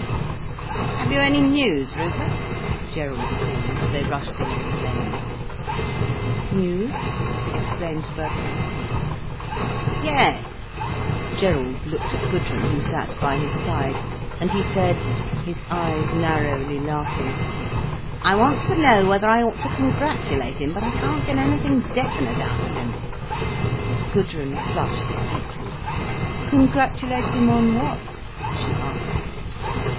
"Have you any news, Rupert?" Gerald called, as they rushed along the lanes. "News?" exclaimed Birkin. "Yes," Gerald looked at Gudrun, who sat by his side, and he said, his eyes narrowly laughing, "I want to know whether I ought to congratulate him, but I can't get anything definite out of him." Gudrun flushed deeply. "Congratulate him on what?" she asked.